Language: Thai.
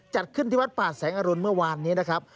จัดขึ้นที่วัดป่าแสงอรุณเมื่อวานนี้นะครับ